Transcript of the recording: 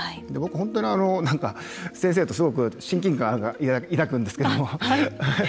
本当に先生とすごく親近感を抱くんですけれども。